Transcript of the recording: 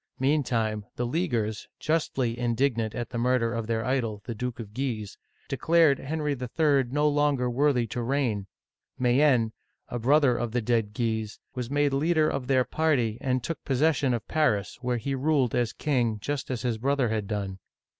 Meantime, the Leaguers, justly indignant at the murder of their idol, the Duke of Guise, declared Henry III. no longer worthy to reign. Mayenne (ma yen'), a brother of the dead Guises, was made leader of their party, and took possession of Paris, where he ruled as king just as his brother had done.